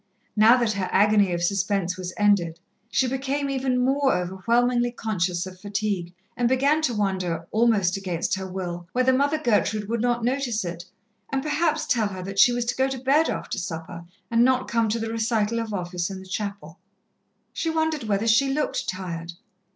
Now that her agony of suspense was ended, she became even more overwhelmingly conscious of fatigue, and began to wonder, almost against her will, whether Mother Gertrude would not notice it, and perhaps tell her that she was to go to bed after supper and not come to the recital of Office in the chapel. She wondered whether she looked tired.